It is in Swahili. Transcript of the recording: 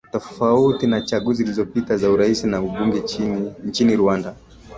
tofauti na chaguzi zilizopita za urais na ubunge nchini rwanda